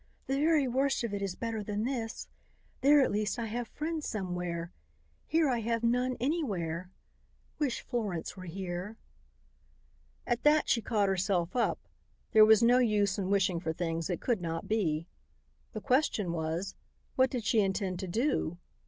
"The very worst of it is better than this. There at least I have friends somewhere. Here I have none anywhere. Wish Florence were here." At that she caught herself up; there was no use in wishing for things that could not be. The question was, what did she intend to do?